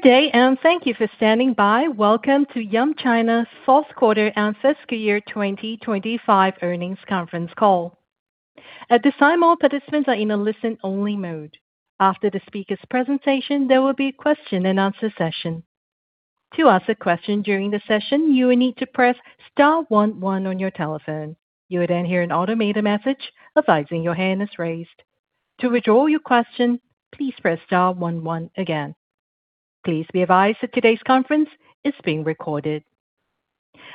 Good day, and thank you for standing by. Welcome to Yum China's fourth quarter and fiscal year 2025 earnings conference call. At this time, all participants are in a listen-only mode. After the speaker's presentation, there will be a question and answer session. To ask a question during the session, you will need to press star one one on your telephone. You will then hear an automated message advising your hand is raised. To withdraw your question, please press star one one again. Please be advised that today's conference is being recorded.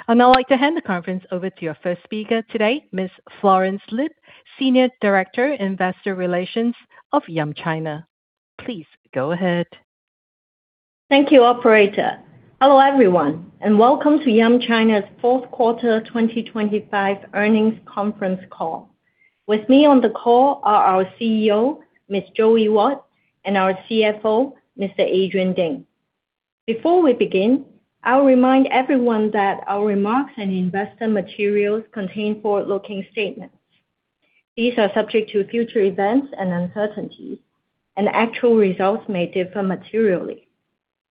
I'd now like to hand the conference over to your first speaker today, Ms. Florence Yip, Senior Director, Investor Relations of Yum China. Please go ahead. Thank you, operator. Hello, everyone, and welcome to Yum China's fourth quarter 2025 earnings conference call. With me on the call are our CEO, Ms. Joey Wat, and our CFO, Mr. Adrian Ding. Before we begin, I'll remind everyone that our remarks and investor materials contain forward-looking statements. These are subject to future events and uncertainties, and actual results may differ materially.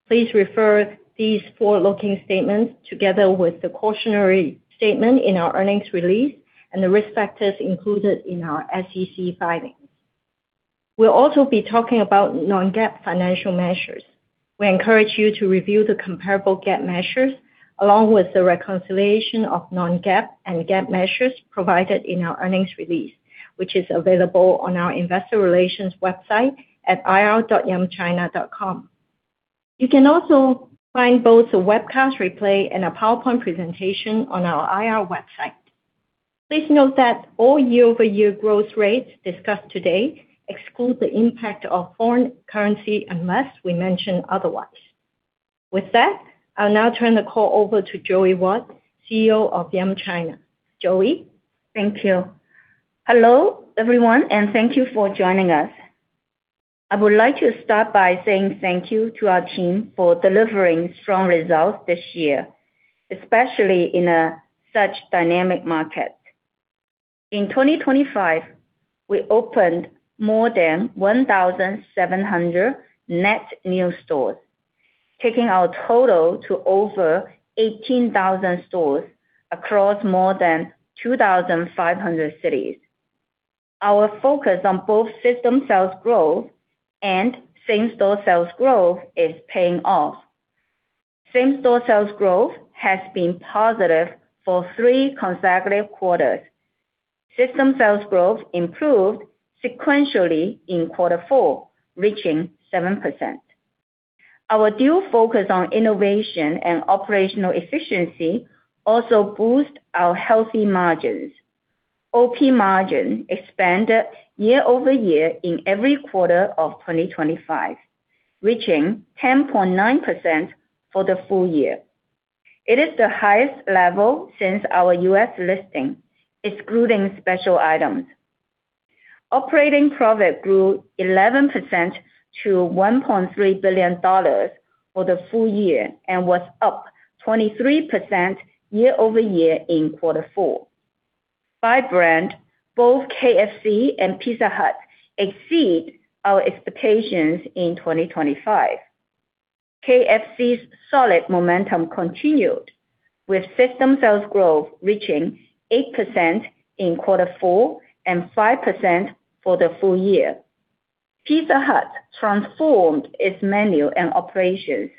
Please refer to these forward-looking statements together with the cautionary statement in our earnings release and the risk factors included in our SEC filings. We'll also be talking about non-GAAP financial measures. We encourage you to review the comparable GAAP measures, along with the reconciliation of non-GAAP and GAAP measures provided in our earnings release, which is available on our investor relations website at ir.yumchina.com. You can also find both a webcast replay and a PowerPoint presentation on our IR website. Please note that all year-over-year growth rates discussed today exclude the impact of foreign currency, unless we mention otherwise. With that, I'll now turn the call over to Joey Wat, CEO of Yum China. Joey? Thank you. Hello, everyone, and thank you for joining us. I would like to start by saying thank you to our team for delivering strong results this year, especially in such a dynamic market. In 2025, we opened more than 1,700 net new stores, taking our total to over 18,000 stores across more than 2,500 cities. Our focus on both system sales growth and same-store sales growth is paying off. Same-store sales growth has been positive for three consecutive quarters. System sales growth improved sequentially in quarter four, reaching 7%. Our dual focus on innovation and operational efficiency also boost our healthy margins. OP margin expanded year-over-year in every quarter of 2025, reaching 10.9% for the full year. It is the highest level since our U.S. listing, excluding special items. Operating profit grew 11% to $1.3 billion for the full year and was up 23% year-over-year in quarter four. By brand, both KFC and Pizza Hut exceed our expectations in 2025. KFC's solid momentum continued, with system sales growth reaching 8% in quarter four and 5% for the full year. Pizza Hut transformed its menu and operations,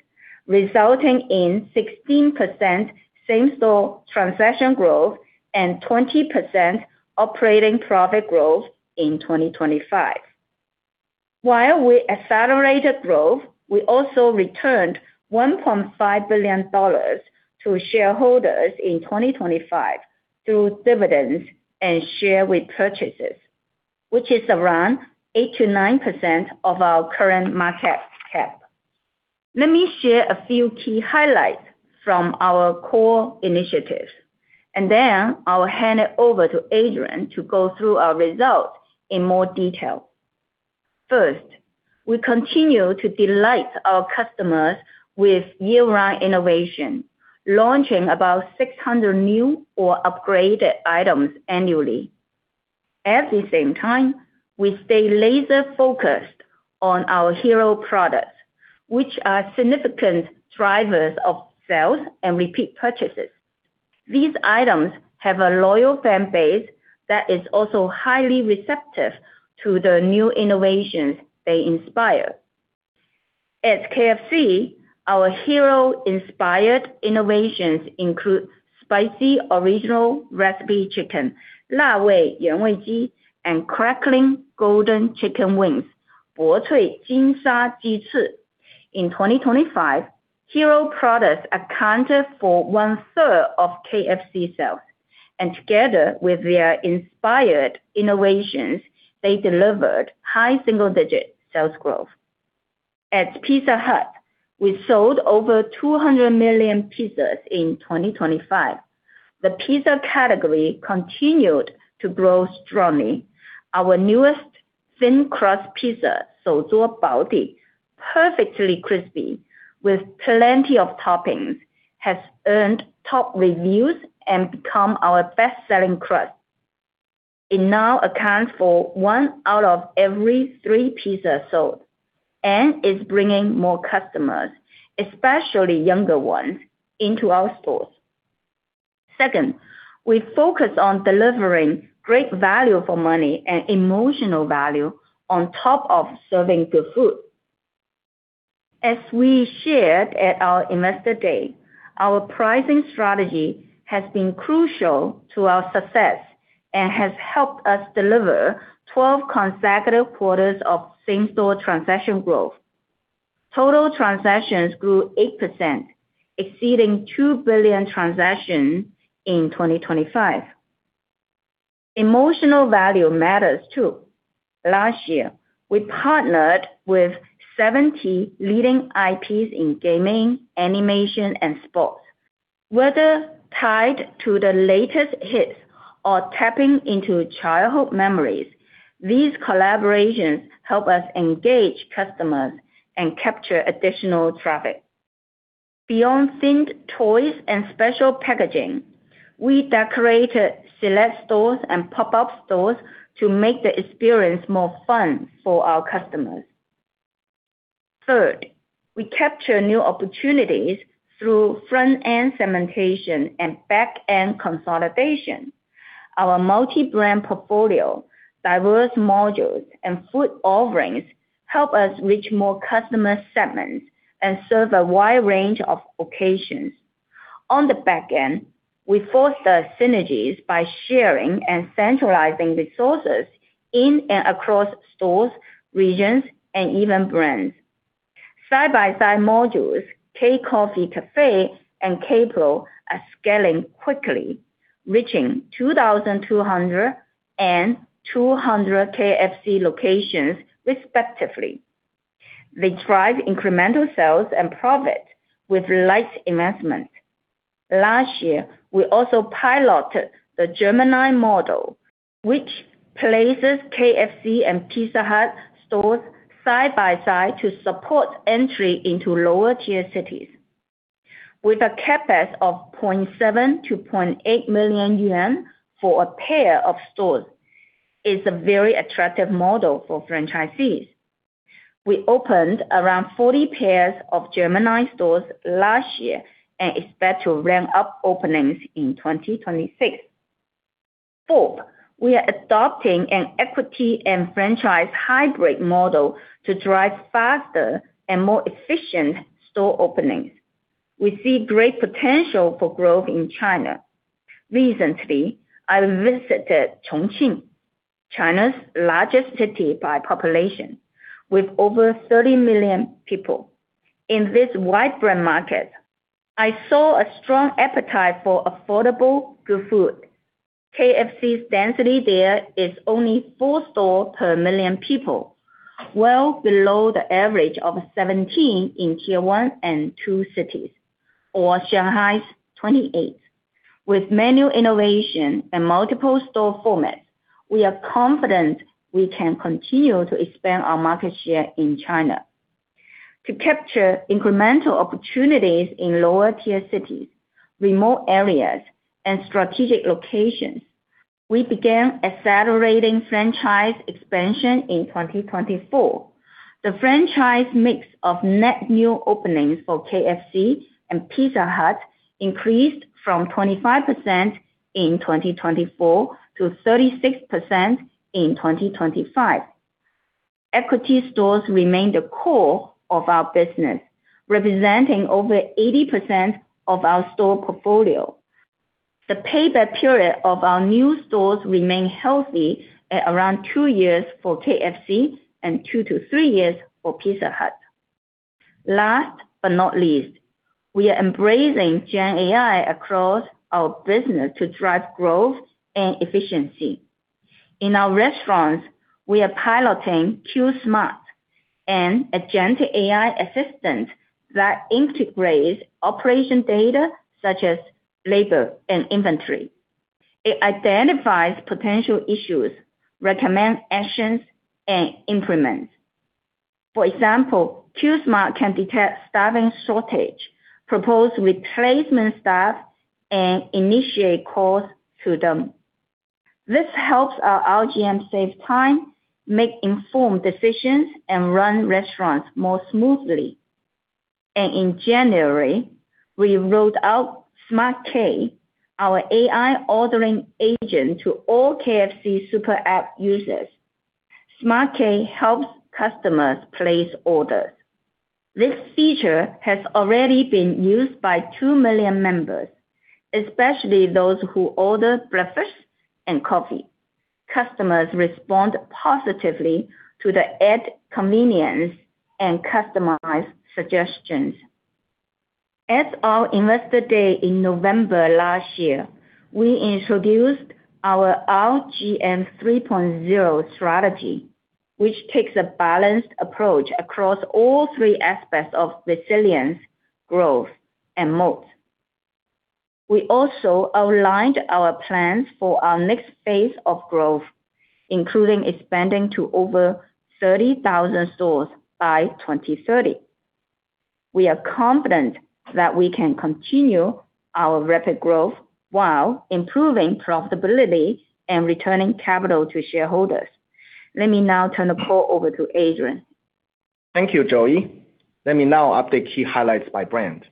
resulting in 16% same-store transaction growth and 20% operating profit growth in 2025. While we accelerated growth, we also returned $1.5 billion to shareholders in 2025 through dividends and share repurchases, which is around 8%-9% of our current market cap. Let me share a few key highlights from our core initiatives, and then I will hand it over to Adrian to go through our results in more detail. First, we continue to delight our customers with year-round innovation, launching about 600 new or upgraded items annually. At the same time, we stay laser focused on our hero products, which are significant drivers of sales and repeat purchases. These items have a loyal fan base that is also highly receptive to the new innovations they inspire. At KFC, our hero-inspired innovations include Spicy Original Recipe Chicken, 辣味原味 鸡, and Crackling Golden Chicken Wings, 薄脆金沙鸡 翅. In 2025, hero products accounted for one-third of KFC sales, and together with their inspired innovations, they delivered high single-digit sales growth. At Pizza Hut, we sold over 200 million pizzas in 2025. The pizza category continued to grow strongly. Our newest thin crust pizza, 手作薄 底, perfectly crispy, with plenty of toppings, has earned top reviews and become our best-selling crust... It now accounts for one out of every three pizzas sold, and is bringing more customers, especially younger ones, into our stores. Second, we focus on delivering great value for money and emotional value on top of serving good food. As we shared at our Investor Day, our pricing strategy has been crucial to our success, and has helped us deliver 12 consecutive quarters of same-store transaction growth. Total transactions grew 8%, exceeding 2 billion transactions in 2025. Emotional value matters, too. Last year, we partnered with 70 leading IPs in gaming, animation, and sports. Whether tied to the latest hits or tapping into childhood memories, these collaborations help us engage customers and capture additional traffic. Beyond themed toys and special packaging, we decorated select stores and pop-up stores to make the experience more fun for our customers. Third, we capture new opportunities through front-end segmentation and back-end consolidation. Our multi-brand portfolio, diverse modules, and food offerings help us reach more customer segments and serve a wide range of occasions. On the back end, we foster synergies by sharing and centralizing resources in and across stores, regions, and even brands. Side-by-side modules, K-Coffee and KPRO, are scaling quickly, reaching 2,200 and 200 KFC locations respectively. They drive incremental sales and profit with light investment. Last year, we also piloted the Gemini model, which places KFC and Pizza Hut stores side by side to support entry into lower-tier cities. With a CapEx of 0.7 million-0.8 million yuan for a pair of stores, it's a very attractive model for franchisees. We opened around 40 pairs of Gemini stores last year and expect to ramp up openings in 2026. Fourth, we are adopting an equity and franchise hybrid model to drive faster and more efficient store openings. We see great potential for growth in China. Recently, I visited Chongqing, China's largest city by population, with over 30 million people. In this vibrant market, I saw a strong appetite for affordable, good food. KFC's density there is only four stores per million people, well below the average of 17 in Tier 1 and 2 cities, or Shanghai's 28. With menu innovation and multiple store formats, we are confident we can continue to expand our market share in China. To capture incremental opportunities in lower-tier cities, remote areas, and strategic locations, we began accelerating franchise expansion in 2024. The franchise mix of net new openings for KFC and Pizza Hut increased from 25% in 2024 to 36% in 2025. Equity stores remain the core of our business, representing over 80% of our store portfolio. The payback period of our new stores remain healthy at around 2 years for KFC and 2-3 years for Pizza Hut. Last but not least, we are embracing Gen AI across our business to drive growth and efficiency. In our restaurants, we are piloting QSmart, an agent AI assistant that integrates operation data such as labor and inventory. It identifies potential issues, recommend actions, and implements. For example, QSmart can detect staffing shortage, propose replacement staff, and initiate calls to them. This helps our LGM save time, make informed decisions, and run restaurants more smoothly. In January, we rolled out Smart K, our AI ordering agent, to all KFC super app users. Smart K helps customers place orders. This feature has already been used by 2 million members, especially those who order breakfast and coffee. Customers respond positively to the added convenience and customized suggestions. At our Investor Day in November last year, we introduced our RGM 3.0 strategy, which takes a balanced approach across all three aspects of resilience, growth, and moat. We also outlined our plans for our next phase of growth, including expanding to over 30,000 stores by 2030. We are confident that we can continue our rapid growth while improving profitability and returning capital to shareholders. Let me now turn the call over to Adrian. Thank you, Joey. Let me now update key highlights by brand,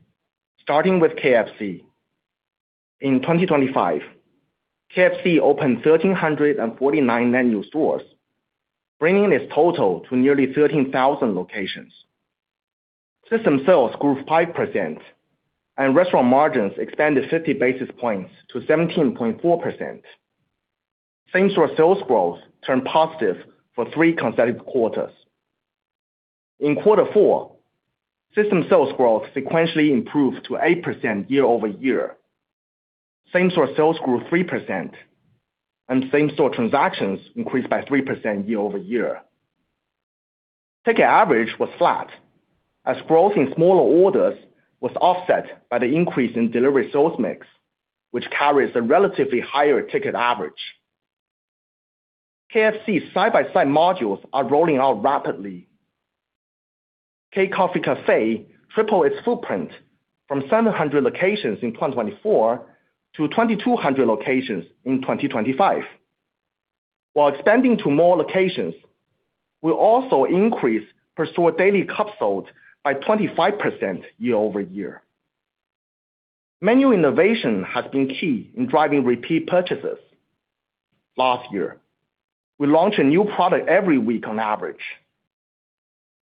starting with KFC. In 2025, KFC opened 1,349 net new stores, bringing its total to nearly 13,000 locations. System sales grew 5%, and restaurant margins expanded 50 basis points to 17.4%. Same-store sales growth turned positive for three consecutive quarters. In quarter four, system sales growth sequentially improved to 8% year-over-year. Same-store sales grew 3%, and same-store transactions increased by 3% year-over-year. Ticket average was flat, as growth in smaller orders was offset by the increase in delivery sales mix, which carries a relatively higher ticket average. KFC's side-by-side modules are rolling out rapidly. K Coffee Cafe triple its footprint from 700 locations in 2024 to 2,200 locations in 2025. While expanding to more locations, we also increased per store daily cup sales by 25% year-over-year. Menu innovation has been key in driving repeat purchases. Last year, we launched a new product every week on average.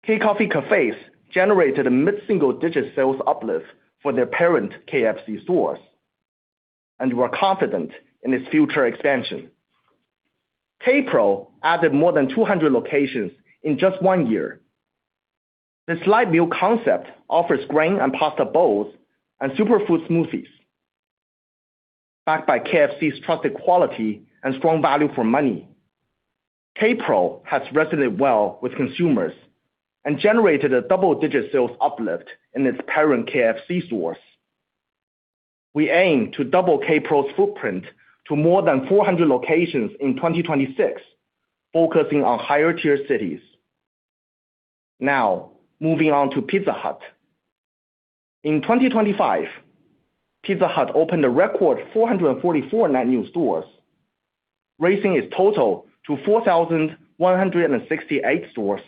KCOFFEE cafes generated a mid-single-digit sales uplift for their parent KFC stores, and we're confident in its future expansion. K Pro added more than 200 locations in just one year. This light meal concept offers grain and pasta bowls and superfood smoothies. Backed by KFC's trusted quality and strong value for money, K Pro has resonated well with consumers and generated a double-digit sales uplift in its parent KFC stores. We aim to double K Pro's footprint to more than 400 locations in 2026, focusing on higher-tier cities. Now, moving on to Pizza Hut. In 2025, Pizza Hut opened a record 444 net new stores, raising its total to 4,168 stores.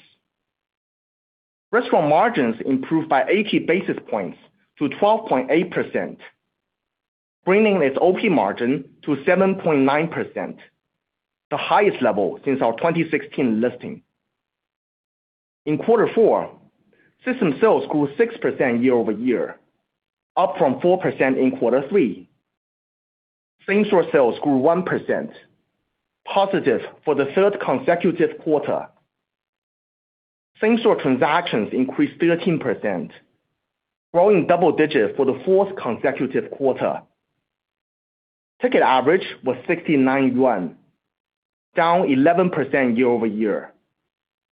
Restaurant margins improved by 80 basis points to 12.8%, bringing its OP margin to 7.9%, the highest level since our 2016 listing. In quarter four, system sales grew 6% year-over-year, up from 4% in quarter three. Same-store sales grew 1%, positive for the third consecutive quarter. Same-store transactions increased 13%, growing double digits for the fourth consecutive quarter. Ticket average was 69 yuan, down 11% year-over-year,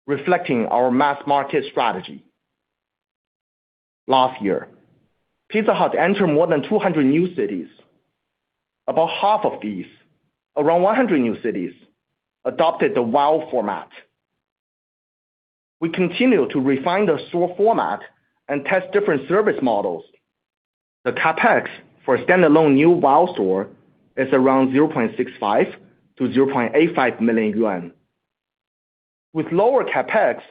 reflecting our mass market strategy. Last year, Pizza Hut entered more than 200 new cities. About half of these, around 100 new cities, adopted the WOW format. We continue to refine the store format and test different service models. The CapEx for a standalone new WOW store is around 0.65 million-0.85 million yuan. With lower CapEx,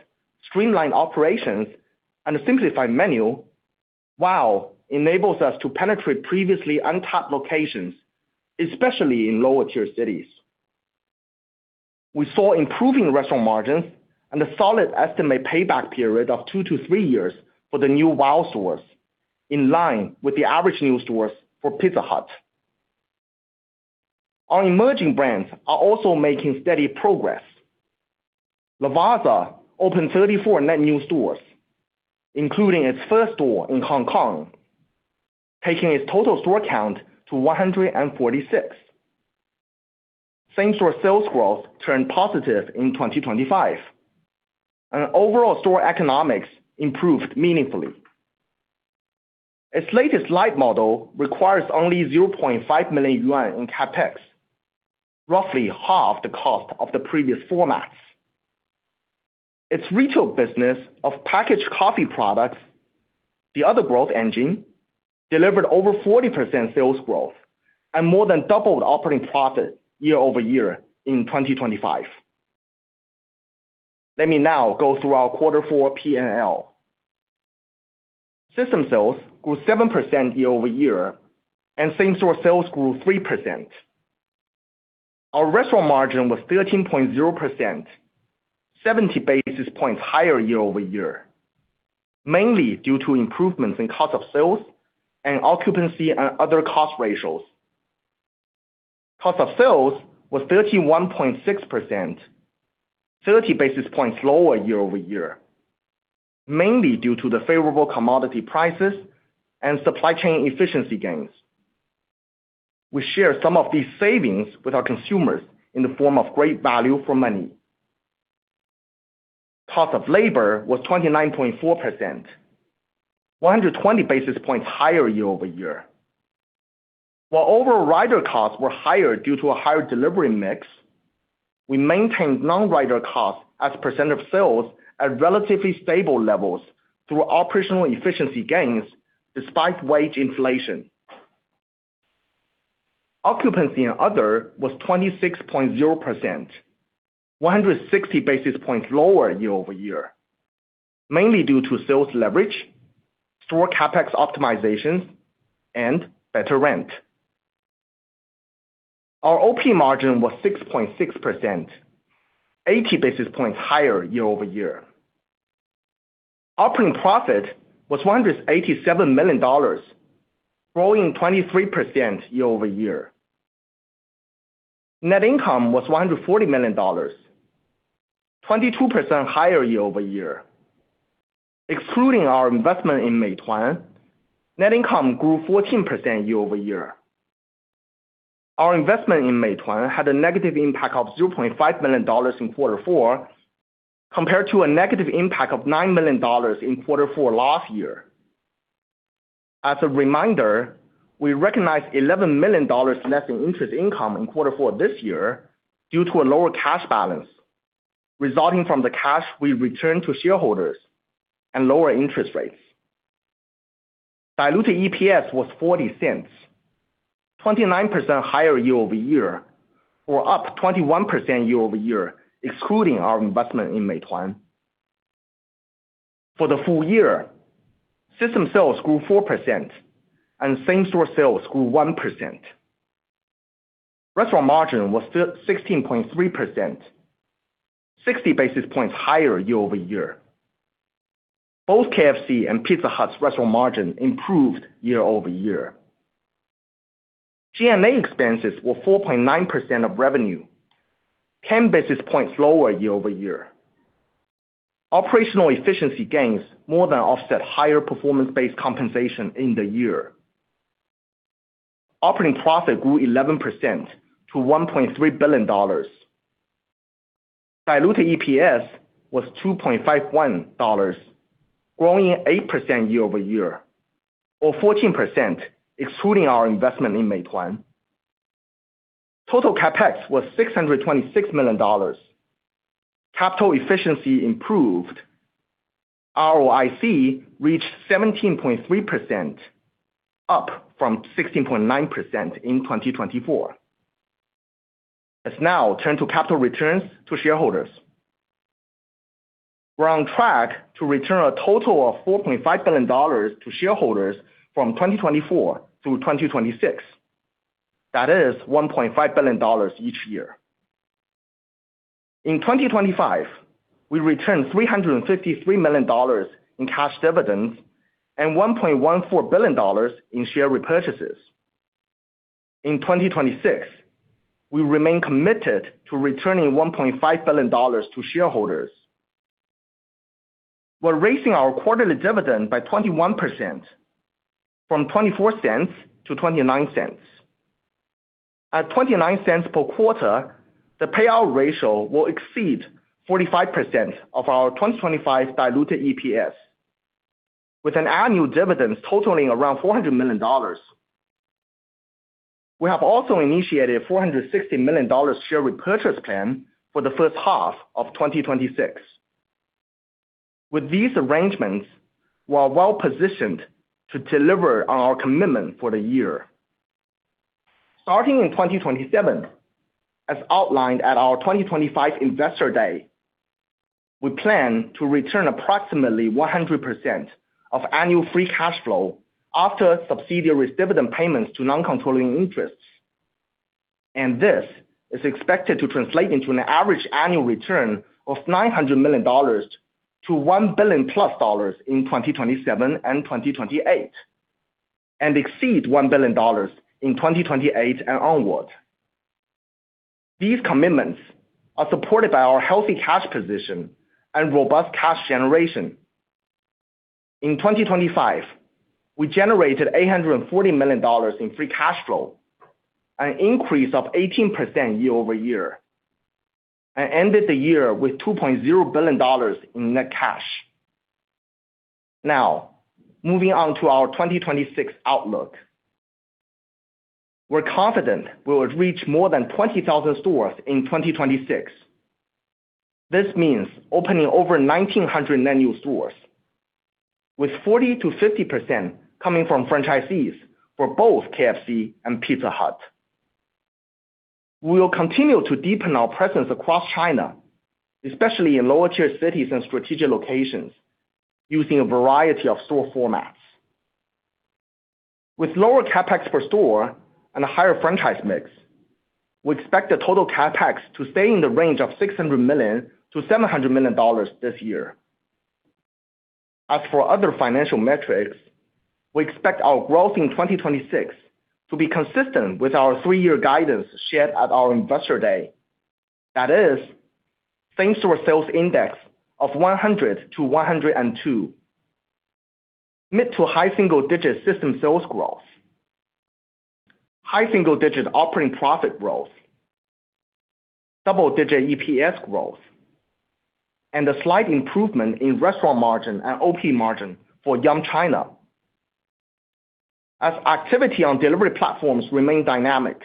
streamlined operations, and a simplified menu, WOW enables us to penetrate previously untapped locations, especially in lower-tier cities. We saw improving restaurant margins and a solid estimated payback period of 2-3 years for the new WOW stores, in line with the average new stores for Pizza Hut. Our emerging brands are also making steady progress. Lavazza opened 34 net new stores, including its first store in Hong Kong, taking its total store count to 146. Same-store sales growth turned positive in 2025, and overall store economics improved meaningfully. Its latest light model requires only 0.5 million yuan in CapEx, roughly half the cost of the previous formats. Its retail business of packaged coffee products, the other growth engine, delivered over 40% sales growth and more than doubled operating profit year-over-year in 2025. Let me now go through our quarter four PNL. System sales grew 7% year-over-year, and same-store sales grew 3%. Our restaurant margin was 13.0%, 70 basis points higher year-over-year, mainly due to improvements in cost of sales and occupancy and other cost ratios. Cost of sales was 31.6%, 30 basis points lower year-over-year, mainly due to the favorable commodity prices and supply chain efficiency gains. We share some of these savings with our consumers in the form of great value for money. Cost of labor was 29.4%, 120 basis points higher year-over-year. While overall rider costs were higher due to a higher delivery mix, we maintained non-rider costs as a percent of sales at relatively stable levels through operational efficiency gains despite wage inflation. Occupancy and other was 26.0%, 160 basis points lower year-over-year, mainly due to sales leverage, store CapEx optimizations, and better rent. Our OP margin was 6.6%, 80 basis points higher year-over-year. Operating profit was $187 million, growing 23% year-over-year. Net income was $140 million, 22% higher year-over-year. Excluding our investment in Meituan, net income grew 14% year-over-year. Our investment in Meituan had a negative impact of $0.5 million in quarter four, compared to a negative impact of $9 million in quarter four last year. As a reminder, we recognized $11 million net in interest income in quarter four this year due to a lower cash balance, resulting from the cash we returned to shareholders and lower interest rates. Diluted EPS was $0.40, 29% higher year-over-year, or up 21% year-over-year, excluding our investment in Meituan. For the full year, system sales grew 4% and same-store sales grew 1%. Restaurant margin was 16.3%, 60 basis points higher year-over-year. Both KFC and Pizza Hut's restaurant margin improved year-over-year. G&A expenses were 4.9% of revenue, 10 basis points lower year-over-year. Operational efficiency gains more than offset higher performance-based compensation in the year. Operating profit grew 11% to $1.3 billion. Diluted EPS was $2.51, growing 8% year-over-year, or 14%, excluding our investment in Meituan. Total CapEx was $626 million. Capital efficiency improved. ROIC reached 17.3%, up from 16.9% in 2024. Let's now turn to capital returns to shareholders. We're on track to return a total of $4.5 billion to shareholders from 2024 through 2026. That is $1.5 billion each year. In 2025, we returned $353 million in cash dividends and $1.14 billion in share repurchases. In 2026, we remain committed to returning $1.5 billion to shareholders. We're raising our quarterly dividend by 21% from $0.24 to $0.29. At $0.29 per quarter, the payout ratio will exceed 45% of our 2025 diluted EPS, with an annual dividend totaling around $400 million. We have also initiated a $460 million share repurchase plan for the first half of 2026. With these arrangements, we are well-positioned to deliver on our commitment for the year. Starting in 2027, as outlined at our 2025 Investor Day, we plan to return approximately 100% of annual free cash flow after subsidiary dividend payments to non-controlling interests. This is expected to translate into an average annual return of $900 million-$1 billion+ in 2027 and 2028, and exceed $1 billion in 2028 and onwards. These commitments are supported by our healthy cash position and robust cash generation. In 2025, we generated $840 million in free cash flow, an increase of 18% year-over-year, and ended the year with $2.0 billion in net cash. Now, moving on to our 2026 outlook. We're confident we will reach more than 20,000 stores in 2026. This means opening over 1,900 net new stores, with 40%-50% coming from franchisees for both KFC and Pizza Hut. We will continue to deepen our presence across China, especially in lower-tier cities and strategic locations, using a variety of store formats. With lower CapEx per store and a higher franchise mix, we expect the total CapEx to stay in the range of $600 million-$700 million this year. As for other financial metrics, we expect our growth in 2026 to be consistent with our three-year guidance shared at our Investor Day. That is, same-store sales index of 100-102, mid to high single-digit system sales growth, high single-digit operating profit growth-... Double-digit EPS growth and a slight improvement in restaurant margin and OP margin for Yum China. As activity on delivery platforms remain dynamic,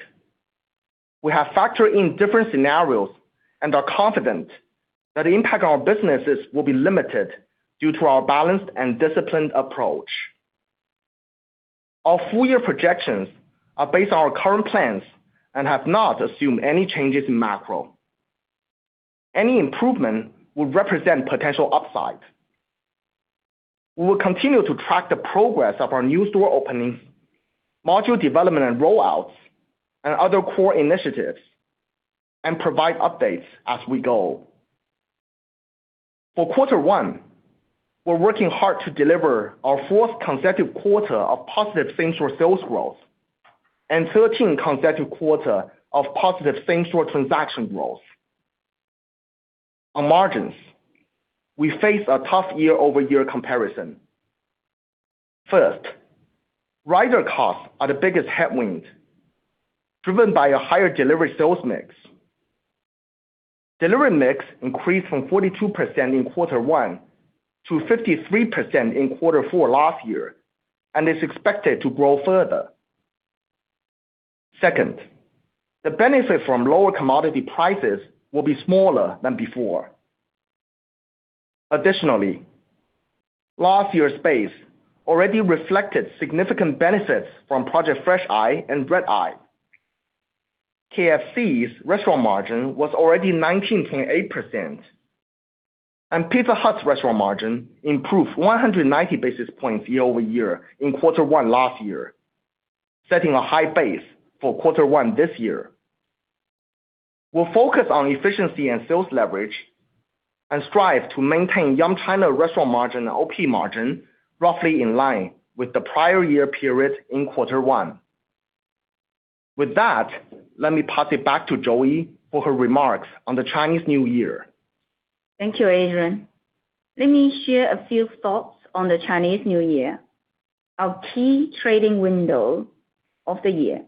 we have factored in different scenarios and are confident that the impact on our businesses will be limited due to our balanced and disciplined approach. Our full year projections are based on our current plans and have not assumed any changes in macro. Any improvement would represent potential upside. We will continue to track the progress of our new store openings, module development and rollouts, and other core initiatives, and provide updates as we go. For quarter one, we're working hard to deliver our fourth consecutive quarter of positive same-store sales growth and 13 consecutive quarter of positive same-store transaction growth. On margins, we face a tough year-over-year comparison. First, rider costs are the biggest headwind, driven by a higher delivery sales mix. Delivery mix increased from 42% in quarter one to 53% in quarter four last year, and is expected to grow further. Second, the benefit from lower commodity prices will be smaller than before. Additionally, last year's base already reflected significant benefits from Project Fresh Eye and Project RED. KFC's restaurant margin was already 19.8%, and Pizza Hut's restaurant margin improved 190 basis points year-over-year in quarter one last year, setting a high base for quarter one this year. We'll focus on efficiency and sales leverage and strive to maintain Yum China restaurant margin and OP margin roughly in line with the prior year period in quarter one. With that, let me pass it back to Joey for her remarks on the Chinese New Year. Thank you, Adrian. Let me share a few thoughts on the Chinese New Year, our key trading window of the year.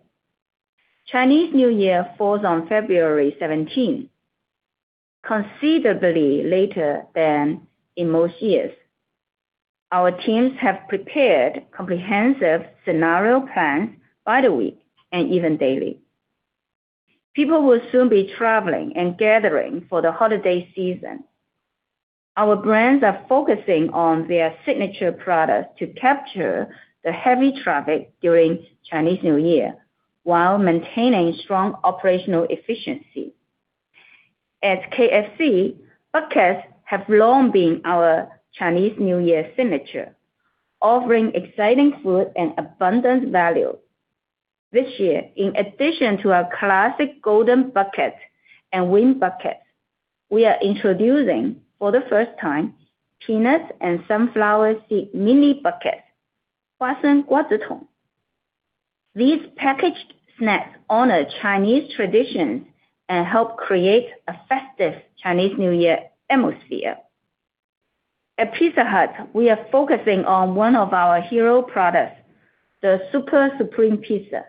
Chinese New Year falls on February seventeenth, considerably later than in most years. Our teams have prepared comprehensive scenario plans by the week and even daily. People will soon be traveling and gathering for the holiday season. Our brands are focusing on their signature products to capture the heavy traffic during Chinese New Year, while maintaining strong operational efficiency. At KFC, buckets have long been our Chinese New Year signature, offering exciting food and abundant value. This year, in addition to our classic Golden Bucket and wing bucket, we are introducing for the first time, Peanuts and Sunflower Seed Mini Bucket. These packaged snacks honor Chinese traditions and help create a festive Chinese New Year atmosphere. At Pizza Hut, we are focusing on one of our hero products, the Super Supreme Pizza.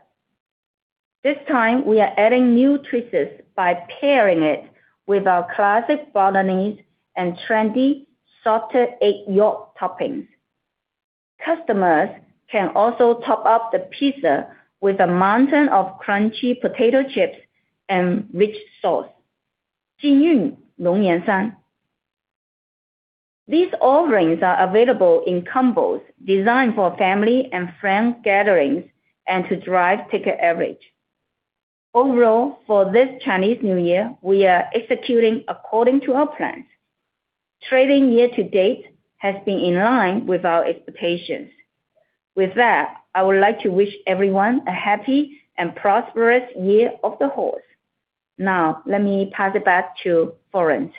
This time, we are adding new twists by pairing it with our classic bolognese and trendy salted egg yolk toppings. Customers can also top up the pizza with a mountain of crunchy potato chips and rich sauce. These offerings are available in combos designed for family and friend gatherings and to drive ticket average. Overall, for this Chinese New Year, we are executing according to our plans. Trading year to date has been in line with our expectations. With that, I would like to wish everyone a happy and prosperous Year of the Horse. Now, let me pass it back to Florence.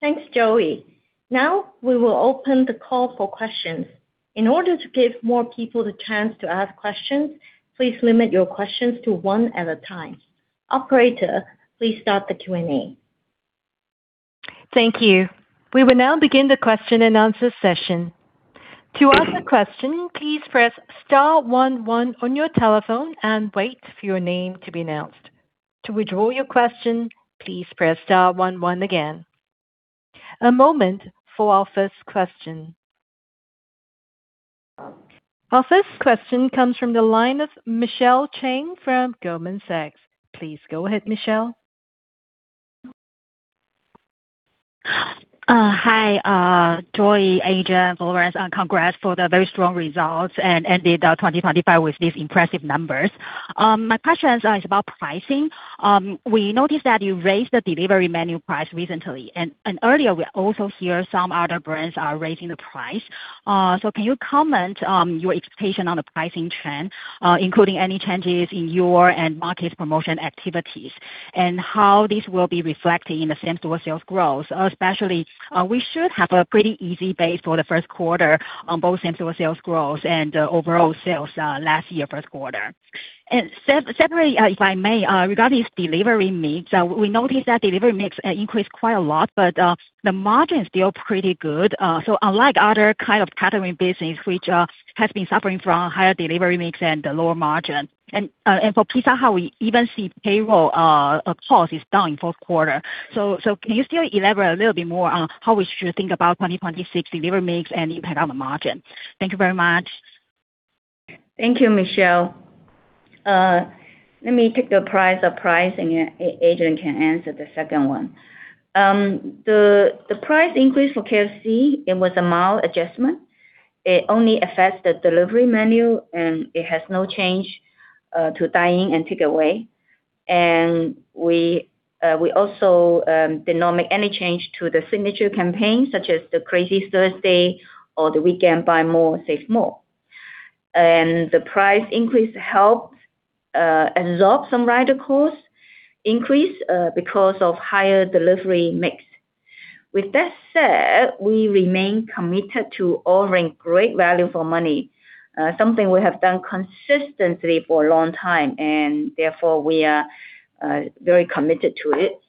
Thanks, Joey. Now, we will open the call for questions. In order to give more people the chance to ask questions, please limit your questions to one at a time. Operator, please start the Q&A. Thank you. We will now begin the question and answer session. To ask a question, please press star one one on your telephone and wait for your name to be announced. To withdraw your question, please press star one one again. A moment for our first question. Our first question comes from the line of Michelle Cheng from Goldman Sachs. Please go ahead, Michelle. Hi, Joey, Adrian, Florence, and congrats for the very strong results and ended 2025 with these impressive numbers. My question is about pricing. We noticed that you raised the delivery menu price recently, and earlier, we also hear some other brands are raising the price. So can you comment on your expectation on the pricing trend, including any changes in your and market promotion activities, and how this will be reflected in the same-store sales growth? Especially, we should have a pretty easy base for the first quarter on both same-store sales growth and overall sales last year, first quarter. And separately, if I may, regarding this delivery mix, we noticed that delivery mix increased quite a lot, but the margin is still pretty good. So unlike other kind of catering business, which has been suffering from higher delivery mix and lower margin, and for Pizza Hut, we even see payroll cost is down in fourth quarter. So can you still elaborate a little bit more on how we should think about 2026 delivery mix and impact on the margin? Thank you very much. Thank you, Michelle. Let me take the price of pricing, and Adrian can answer the second one. The price increase for KFC, it was a mild adjustment. It only affects the delivery menu, and it has no change to dine-in and take away. And we also did not make any change to the signature campaign, such as the Crazy Thursday or the Weekend Buy More, Save More. And the price increase helped absorb some rider costs increase because of higher delivery mix. With that said, we remain committed to offering great value for money, something we have done consistently for a long time, and therefore, we are very committed to it.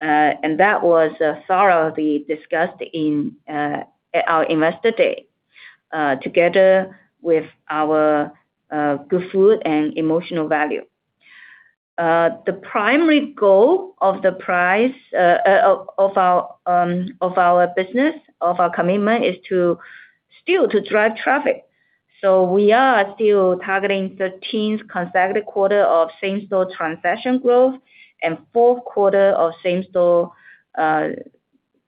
And that was thoroughly discussed at our investor day together with our good food and emotional value. The primary goal of the price of our business of our commitment is still to drive traffic. So we are still targeting the teens consecutive quarter of same-store transaction growth and fourth quarter of same-store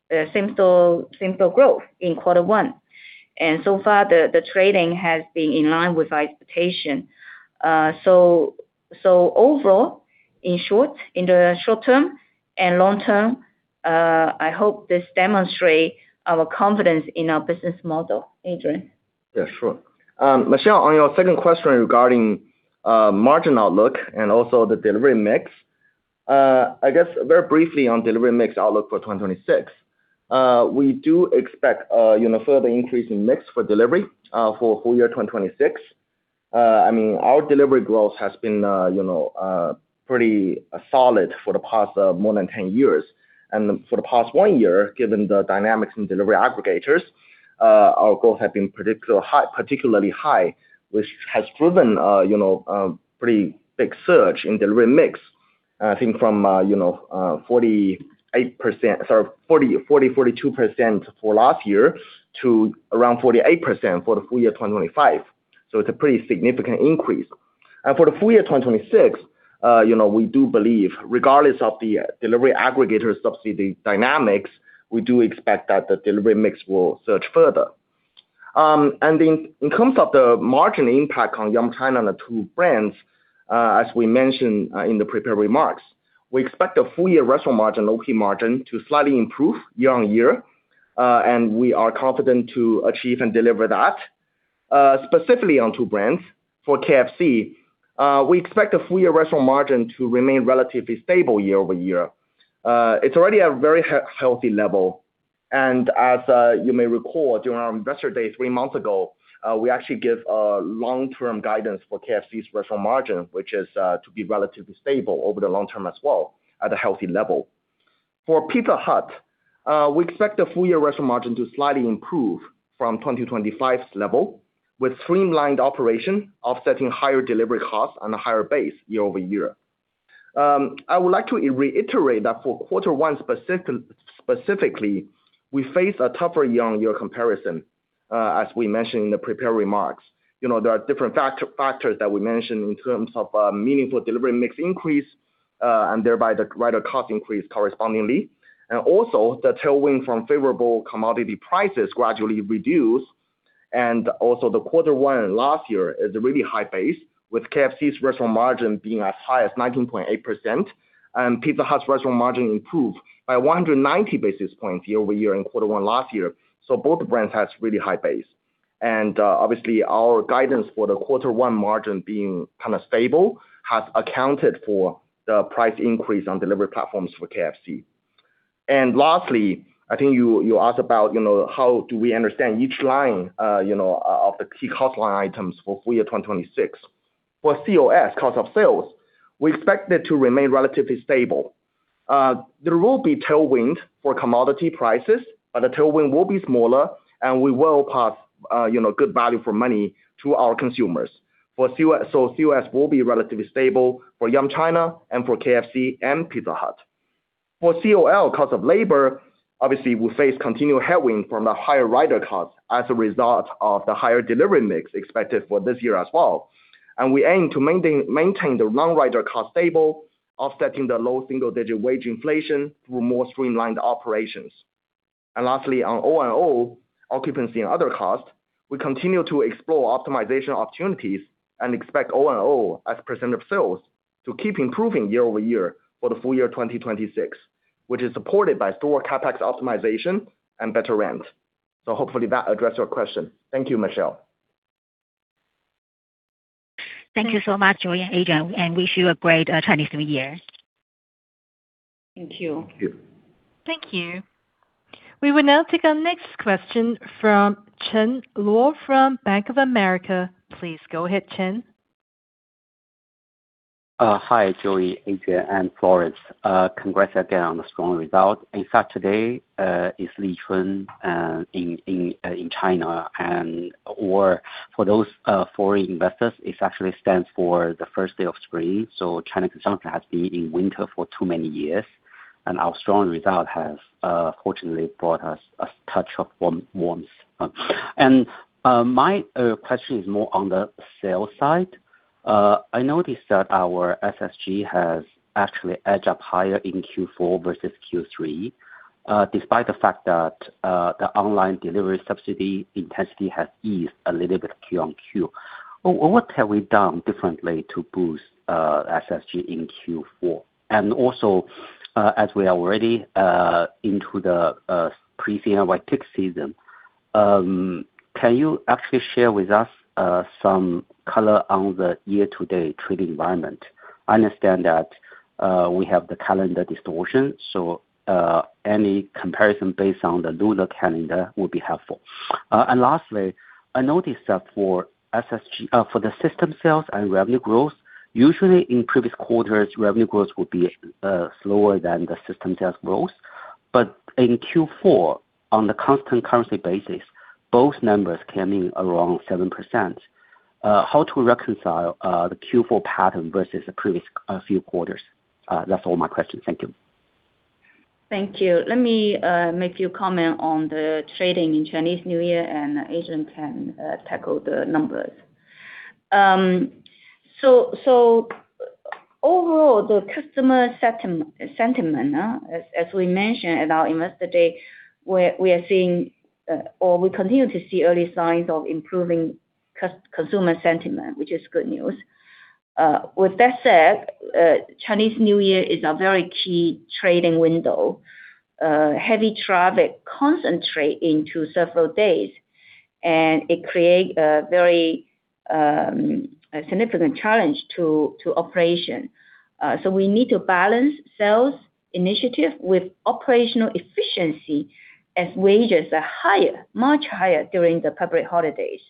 growth in quarter one. So far, the trading has been in line with our expectation. So overall, in short, in the short term and long term, I hope this demonstrate our confidence in our business model. Adrian? Yeah, sure. Michelle, on your second question regarding margin outlook and also the delivery mix, I guess very briefly on delivery mix outlook for 2026, we do expect, you know, further increase in mix for delivery, for full year 2026. I mean, our delivery growth has been, you know, pretty solid for the past more than 10 years. And for the past one year, given the dynamics in delivery aggregators, our growth have been particular high, particularly high, which has driven, you know, pretty big surge in delivery mix, I think from 42% for last year to around 48% for the full year 2025. So it's a pretty significant increase. For the full year 2026, you know, we do believe, regardless of the delivery aggregator subsidy dynamics, we do expect that the delivery mix will surge further. In terms of the margin impact on Yum China and the two brands, as we mentioned, in the prepared remarks, we expect a full year restaurant margin, Op margin, to slightly improve year-over-year, and we are confident to achieve and deliver that. Specifically on two brands, for KFC, we expect a full year restaurant margin to remain relatively stable year-over-year. It's already at a very healthy level, and as you may recall, during our investor day three months ago, we actually give a long-term guidance for KFC's restaurant margin, which is to be relatively stable over the long term as well, at a healthy level. For Pizza Hut, we expect the full year restaurant margin to slightly improve from 2025's level, with streamlined operation offsetting higher delivery costs on a higher base year-over-year. I would like to reiterate that for quarter one specifically, we face a tougher year-on-year comparison, as we mentioned in the prepared remarks. You know, there are different factors that we mentioned in terms of meaningful delivery mix increase, and thereby the rider cost increase correspondingly. And also, the tailwind from favorable commodity prices gradually reduce, and also the quarter one last year is a really high base, with KFC's restaurant margin being as high as 19.8%, and Pizza Hut's restaurant margin improved by 190 basis points year over year in quarter one last year. So both brands has really high base. And, obviously, our guidance for the quarter one margin being kind of stable, has accounted for the price increase on delivery platforms for KFC. And lastly, I think you asked about, you know, how do we understand each line, you know, of the key cost line items for full year 2026. For COS, cost of sales, we expect it to remain relatively stable. There will be tailwind for commodity prices, but the tailwind will be smaller, and we will pass, you know, good value for money to our consumers. For COS will be relatively stable for Yum China and for KFC and Pizza Hut. For COL, cost of labor, obviously, we face continued headwind from the higher rider costs as a result of the higher delivery mix expected for this year as well. And we aim to maintain the non-rider cost stable, offsetting the low single-digit wage inflation through more streamlined operations. And lastly, on O&O, occupancy and other costs, we continue to explore optimization opportunities and expect O&O as a percentage of sales to keep improving year-over-year for the full year 2026, which is supported by store CapEx optimization and better rent. So hopefully that addressed your question. Thank you, Michelle. Thank you so much, Joey and Adrian, and wish you a great Chinese New Year. Thank you. Thank you. Thank you. We will now take our next question from Chen Luo from Bank of America. Please go ahead, Chen. Hi, Joey, Adrian, and Florence. Congrats again on the strong result. In fact, today is Li Chun in China, and/or for those foreign investors, it actually stands for the first day of spring, so China consumption has been in winter for too many years... and our strong result has fortunately brought us a touch of warmth. And my question is more on the sales side. I noticed that our SSG has actually edged up higher in Q4 versus Q3, despite the fact that the online delivery subsidy intensity has eased a little bit Q on Q. Well, what have we done differently to boost SSG in Q4? And also, as we are already into the pre-Spring Festival season, can you actually share with us some color on the year-to-date trading environment? I understand that we have the calendar distortion, so any comparison based on the lunar calendar would be helpful. And lastly, I noticed that for SSG, for the system sales and revenue growth, usually in previous quarters, revenue growth will be slower than the system sales growth. But in Q4, on the constant currency basis, both numbers came in around 7%. How to reconcile the Q4 pattern versus the previous few quarters? That's all my questions. Thank you. Thank you. Let me make a few comments on the trading in Chinese New Year, and Adrian can tackle the numbers. So overall, the customer sentiment, as we mentioned at our Investor Day, we are seeing, or we continue to see early signs of improving consumer sentiment, which is good news. With that said, Chinese New Year is a very key trading window. Heavy traffic concentrate into several days, and it create a very a significant challenge to operation. So we need to balance sales initiative with operational efficiency, as wages are higher, much higher during the public holidays.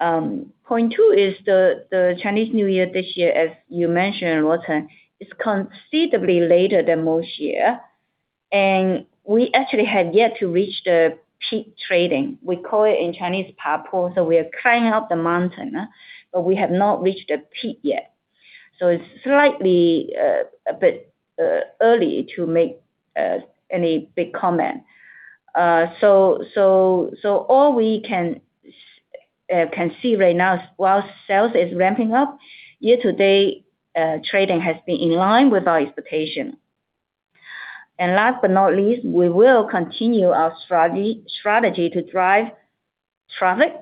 Point two is the Chinese New Year this year, as you mentioned, Chen Luo, is considerably later than most years, and we actually have yet to reach the peak trading. We call it in Chinese, Pa Po, so we are climbing up the mountain, but we have not reached the peak yet. So it's slightly a bit early to make any big comment. So all we can see right now, while sales is ramping up year-to-date, trading has been in line with our expectation. And last but not least, we will continue our strategy to drive traffic,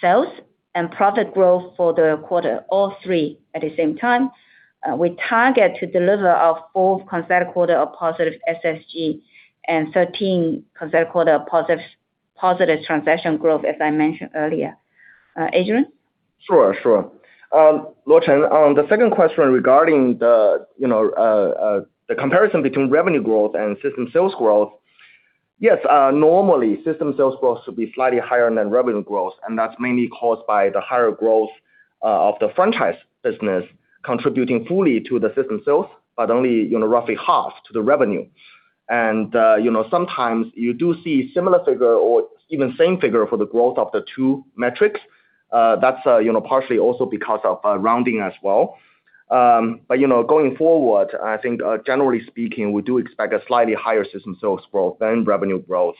sales, and profit growth for the quarter, all three at the same time. We target to deliver our fourth consecutive quarter of positive SSG and 13 consecutive quarter of positive transaction growth, as I mentioned earlier. Adrian? Sure, sure. Lu Chen, on the second question regarding the, you know, the comparison between revenue growth and system sales growth. Yes, normally, system sales growth should be slightly higher than revenue growth, and that's mainly caused by the higher growth, of the franchise business contributing fully to the system sales, but only, you know, roughly half to the revenue. And, you know, sometimes you do see similar figure or even same figure for the growth of the two metrics. That's, you know, partially also because of, rounding as well. But, you know, going forward, I think, generally speaking, we do expect a slightly higher system sales growth than revenue growth,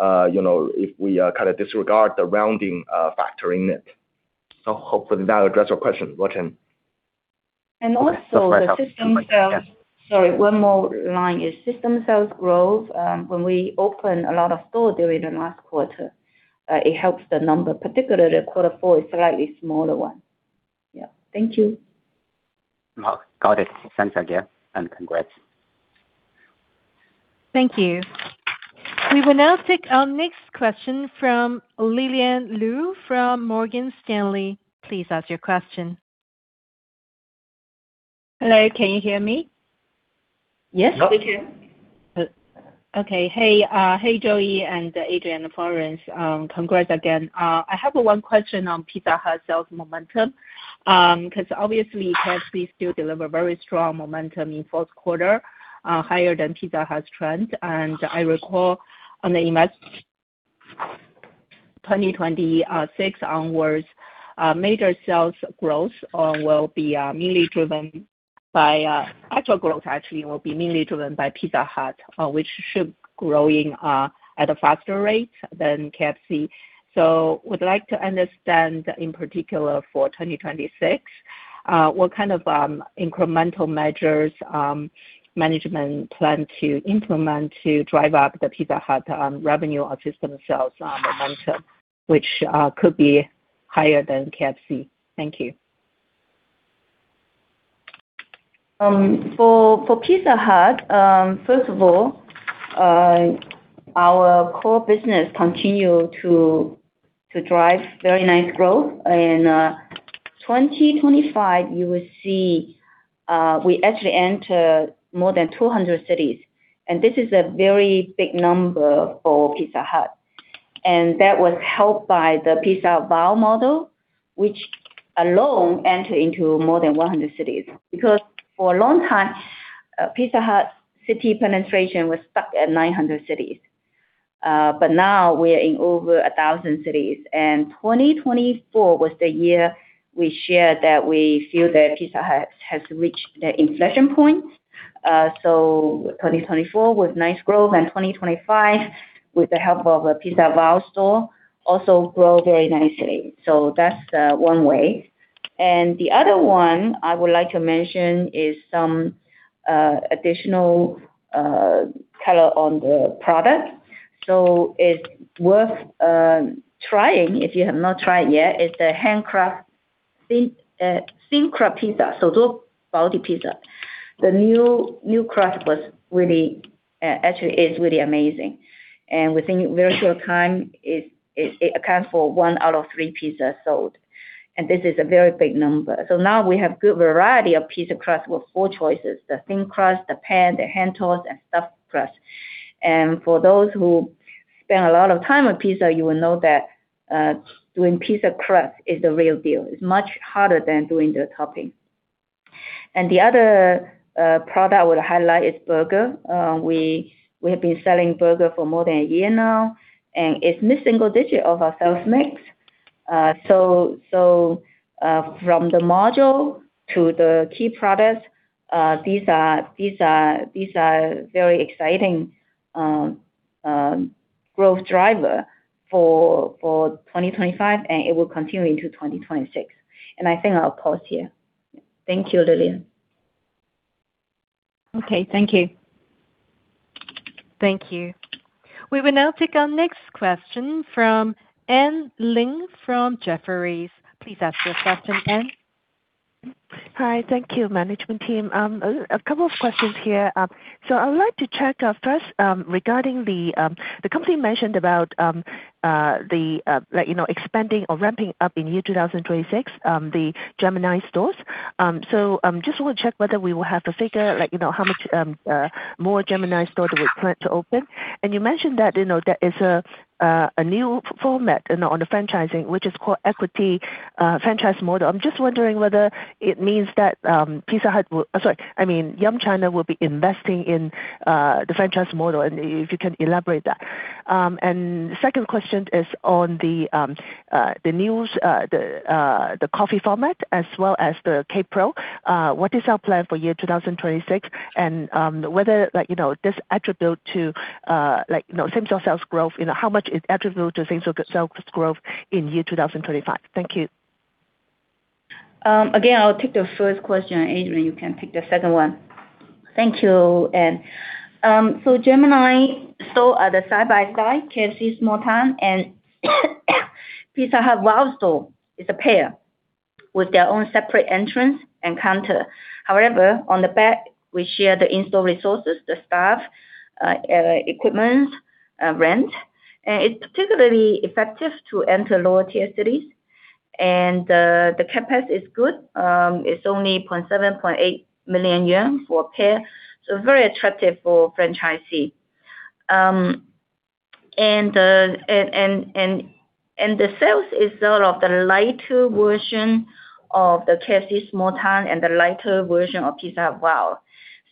you know, if we, kind of disregard the rounding, factor in it. So hopefully that'll address your question, Lu Chen. And also the system sales. Yes. Sorry, one more line is system sales growth. When we open a lot of stores during the last quarter, it helps the number, particularly the quarter four is slightly smaller one. Yeah. Thank you. Got it. Thanks again, and congrats. Thank you. We will now take our next question from Lillian Lou from Morgan Stanley. Please ask your question. Hello, can you hear me? Yes, we can. Okay. Hey, hey, Joey and Adrian Ding. Congrats again. I have one question on Pizza Hut sales momentum, 'cause obviously KFC still deliver very strong momentum in fourth quarter, higher than Pizza Hut's trend. I recall on the invest- 2020, six onwards, major sales growth will be mainly driven by, actually growth actually will be mainly driven by Pizza Hut, which should growing at a faster rate than KFC. Would like to understand, in particular for 2026, what kind of incremental measures management plan to implement to drive up the Pizza Hut revenue or system sales momentum, which could be higher than KFC? Thank you. For Pizza Hut, first of all, our core business continue to drive very nice growth. In 2025, you will see, we actually enter more than 200 cities, and this is a very big number for Pizza Hut. And that was helped by the Pizza Hut bio model, which alone entered into more than 100 cities. Because for a long time, Pizza Hut's city penetration was stuck at 900 cities. But now we are in over 1,000 cities, and 2024 was the year we shared that we feel that Pizza Hut has reached the inflection point. So 2024 was nice growth, and 2025, with the help of, Pizza WOW Store, also grow very nicely. So that's one way. The other one I would like to mention is some additional color on the product. So it's worth trying, if you have not tried yet, it's the Handcrafted Thin Crust Pizza, so those quality pizza. The new crust was really, actually is really amazing. And within a very short time, it accounts for 1 out of 3 pizzas sold, and this is a very big number. So now we have good variety of pizza crust with 4 choices: the thin crust, the pan, the hand tossed, and stuffed crust. And for those who spend a lot of time on pizza, you will know that, doing pizza crust is the real deal. It's much harder than doing the topping. And the other product I would highlight is burger. We have been selling burger for more than a year now, and it's mid-single digit of our sales mix. So from the module to the key products, these are very exciting growth driver for 2025, and it will continue into 2026. I think I'll pause here. Thank you, Lillian. Okay, thank you. Thank you. We will now take our next question from Anne Ling from Jefferies. Please ask your question, Ann. Hi. Thank you, management team. A couple of questions here. So I'd like to check, first, regarding the company mentioned about the, like, you know, expanding or ramping up in year 2026, the Gemini stores. So, just want to check whether we will have the figure, like, you know, how much more Gemini store do we plan to open? And you mentioned that, you know, there is a new format, you know, on the franchising, which is called equity franchise model. I'm just wondering whether it means that, Pizza Hut will-- Sorry, I mean, Yum China will be investing in the franchise model, and if you can elaborate that. And second question is on the news, the coffee format as well as the K Pro. What is our plan for year 2026? And whether, like, you know, this attribute to, like, you know, same store sales growth, you know, how much is attribute to same store sales growth in year 2025? Thank you. Again, I'll take the first question, Adrian, you can take the second one. Thank you, Ann. So Gemini store are the side by side, KFC Small Town, and Pizza Hut WOW Store is a pair with their own separate entrance and counter. However, on the back, we share the in-store resources, the staff, equipments, rent, and it's particularly effective to enter lower tier cities. And the CapEx is good. It's only 0.78 million yuan for pair, so very attractive for franchisee. And the sales is sort of the lighter version of the KFC Small Town and the lighter version of Pizza WOW.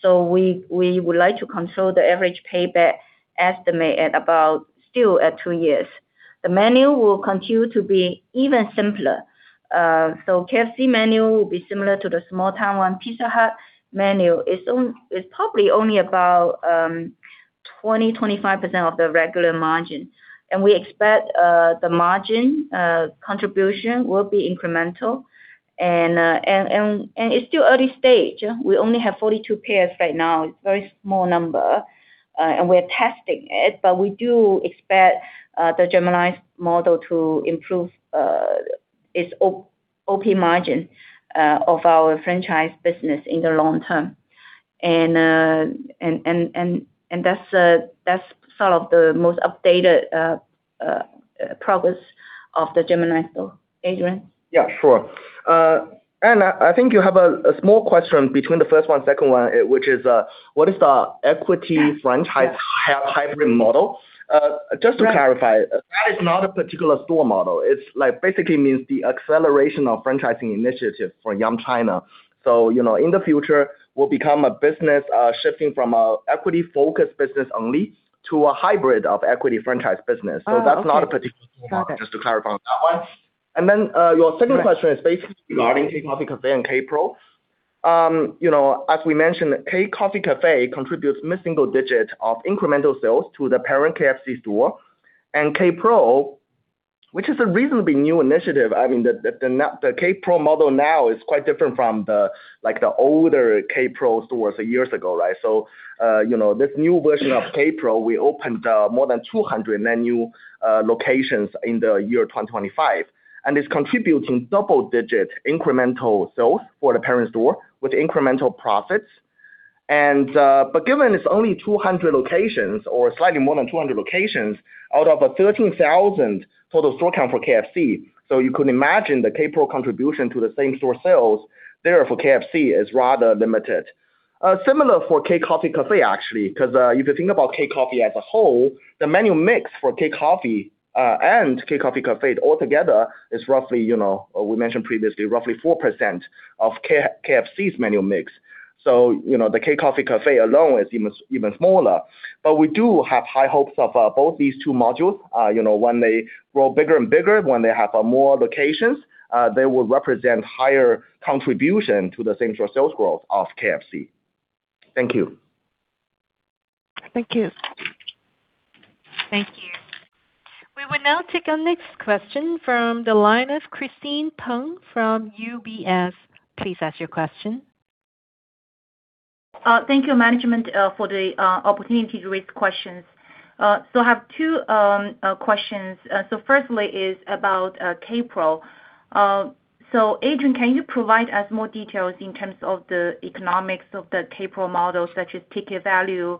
So we would like to control the average payback estimate at about still at two years. The menu will continue to be even simpler. So KFC menu will be similar to the Small Town one. Pizza Hut menu. It's probably only about 20-25% of the regular margin, and we expect the margin contribution will be incremental. And it's still early stage. We only have 42 pairs right now. It's very small number, and we're testing it, but we do expect the Gemini model to improve its OP margin of our franchise business in the long term. And that's sort of the most updated progress of the Gemini store. Adrian? Yeah, sure. Anna, I think you have a small question between the first one and second one, which is, what is the equity franchise hybrid model? Yeah. Just to clarify, that is not a particular store model. It's like, basically means the acceleration of franchising initiative for Yum China. So, you know, in the future, we'll become a business, shifting from a equity-focused business only to a hybrid of equity franchise business. Oh, okay. So that's not a particular model, just to clarify on that one. And then, your second question is basically regarding K Coffee Cafe and K Pro. You know, as we mentioned, K Coffee Cafe contributes mid-single-digit incremental sales to the parent KFC store. And K Pro, which is a reasonably new initiative, I mean, the K Pro model now is quite different from, like, the older K Pro stores years ago, right? So, you know, this new version of K Pro, we opened more than 200 new locations in the year 2025, and it's contributing double-digit incremental sales for the parent store with incremental profits. Given it's only 200 locations or slightly more than 200 locations out of a 13,000 total store count for KFC, so you could imagine the K Pro contribution to the same store sales there for KFC is rather limited. Similar for K Coffee Cafe, actually, 'cause if you think about K Coffee as a whole, the menu mix for K Coffee and K Coffee Cafe altogether is roughly, you know, we mentioned previously, roughly 4% of KFC's menu mix. So, you know, the K Coffee Cafe alone is even smaller. But we do have high hopes of both these two modules. You know, when they grow bigger and bigger, when they have more locations, they will represent higher contribution to the same-store sales growth of KFC. Thank you. Thank you. Thank you. We will now take our next question from the line of Christine Peng from UBS. Please ask your question. Thank you, management, for the opportunity to raise questions. So I have two questions. So firstly is about K-Pro. So Adrian, can you provide us more details in terms of the economics of the K-Pro model, such as ticket value,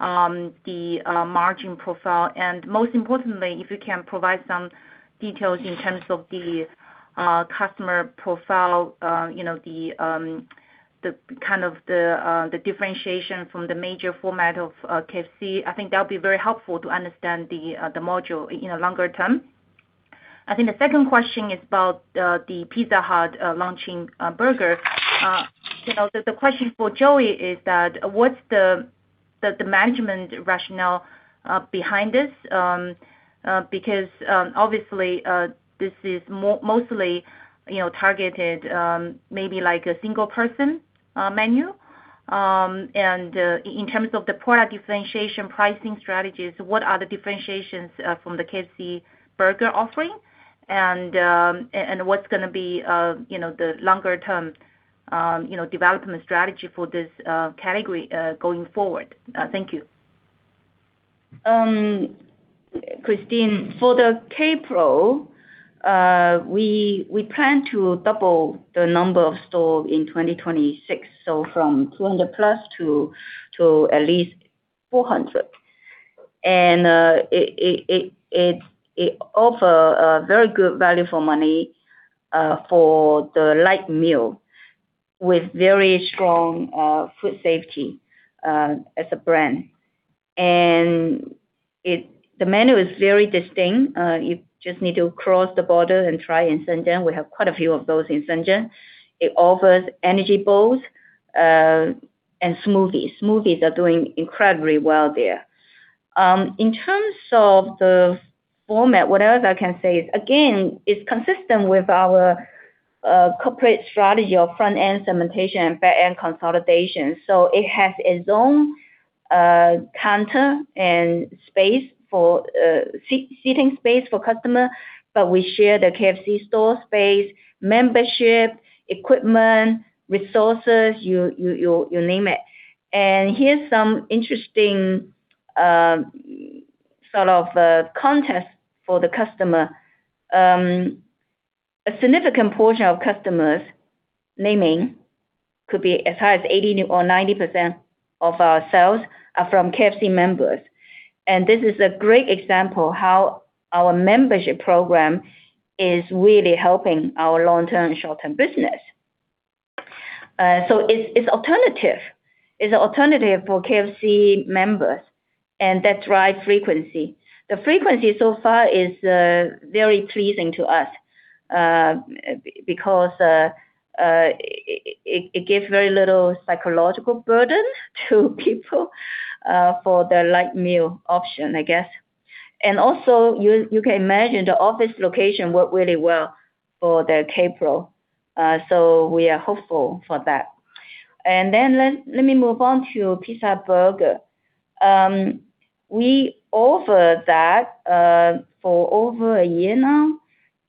the margin profile, and most importantly, if you can provide some details in terms of the customer profile, you know, the kind of the differentiation from the major format of KFC? I think that would be very helpful to understand the model in a longer term. I think the second question is about the Pizza Hut launching a burger. You know, the management rationale behind this? Because, obviously, this is mostly, you know, targeted, maybe like a single person menu. And, in terms of the product differentiation, pricing strategies, what are the differentiations from the KFC burger offering? And, what's gonna be, you know, the longer term, you know, development strategy for this category going forward? Thank you. Christine, for the K-Pro, we plan to double the number of store in 2026, so from 200+ to at least 400. It offers a very good value for money for the light meal, with very strong food safety as a brand. The menu is very distinct. You just need to cross the border and try in Shenzhen. We have quite a few of those in Shenzhen. It offers energy bowls and smoothies. Smoothies are doing incredibly well there. In terms of the format, what else I can say is, again, it's consistent with our corporate strategy of front-end segmentation and back-end consolidation. So it has its own counter and space for seating space for customer, but we share the KFC store space, membership, equipment, resources, you name it. Here's some interesting sort of context for the customer. A significant portion of customers, namely could be as high as 80% or 90% of our sales are from KFC members. This is a great example how our membership program is really helping our long-term and short-term business. So it's alternative. It's an alternative for KFC members, and that drives frequency. The frequency so far is very pleasing to us because it gives very little psychological burden to people for the light meal option, I guess. Also, you can imagine the office location work really well for the K-Pro. So we are hopeful for that. Then let me move on to pizza burger. We offer that for over a year now,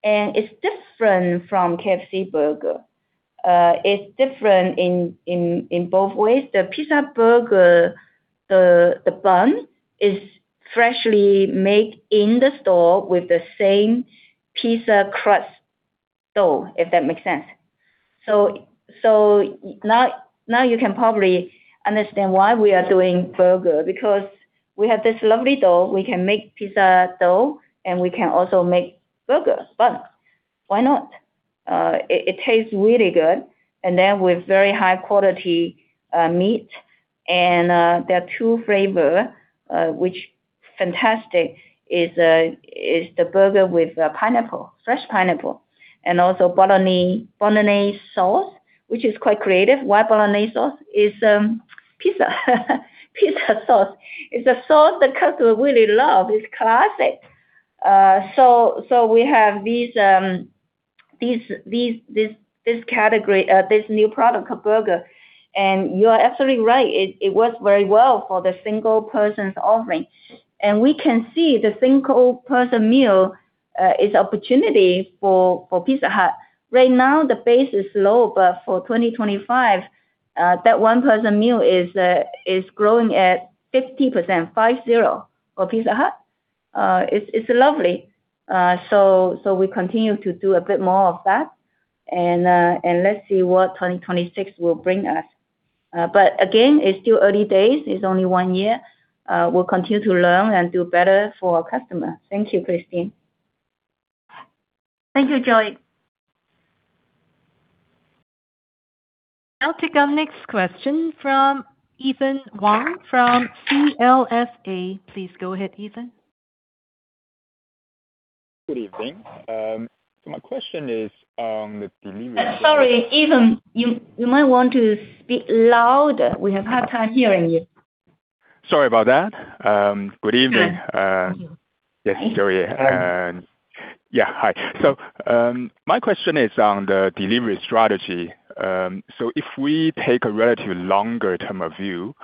and it's different from KFC burger. It's different in both ways. The pizza burger bun is freshly made in the store with the same pizza crust dough, if that makes sense. So now you can probably understand why we are doing burger, because we have this lovely dough. We can make pizza dough, and we can also make burger bun. Why not? It tastes really good, and then with very high quality meat, and there are two flavor which fantastic is the burger with pineapple, fresh pineapple, and also bolognese sauce, which is quite creative. Why bolognese sauce? It's pizza sauce. It's a sauce the customer really love. It's classic. We have this category, this new product called burger. You are absolutely right, it works very well for the single person's offering. We can see the single person meal is opportunity for Pizza Hut. Right now, the base is low, but for 2025, that one person meal is growing at 50%, 50, for Pizza Hut. It's lovely. We continue to do a bit more of that, and let's see what 2026 will bring us. But again, it's still early days. It's only one year. We'll continue to learn and do better for our customers. Thank you, Christine. Thank you, Joey. I'll take our next question from Ethan Wang from CLSA. Please go ahead, Ethan. Good evening. So my question is, the delivery- Sorry, Ethan, you might want to speak louder. We have hard time hearing you. Sorry about that. Good evening. Yes, Joey. Yeah, hi. So, my question is on the delivery strategy. So if we take a relatively longer-term view,